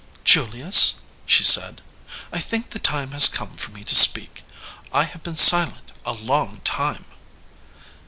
"Julius," she said, "I think the time has come for me to speak. I have been silent a long time."